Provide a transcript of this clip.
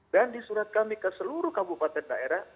dan di surat kami ke seluruh kabupaten daerah